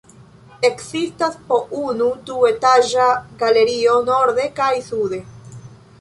Ekzistas po unu duetaĝa galerio norde kaj sude.